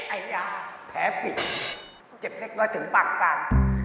อายาแผลปิดเจ็บนิกน้อยถึงปากด้าน